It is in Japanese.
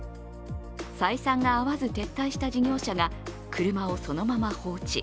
採算が合わず撤退した事業者が車をそのまま放置。